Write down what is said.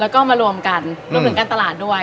แล้วก็มารวมกันรวมถึงการตลาดด้วย